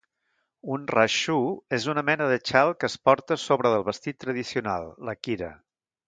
Un "rachu" és una mena de xal que es porta a sobre del vestit tradicional, la kira.